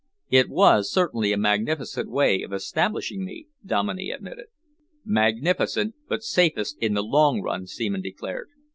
"It was certainly a magnificent way of establishing me," Dominey admitted. "Magnificent, but safest in the long run," Seaman declared.